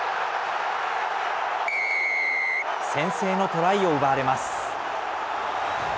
先制のトライを奪われます。